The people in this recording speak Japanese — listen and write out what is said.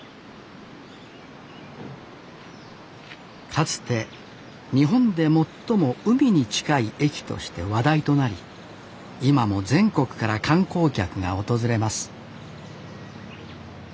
かつて日本で最も海に近い駅として話題となり今も全国から観光客が訪れます